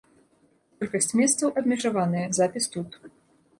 Колькасць месцаў абмежаваная, запіс тут.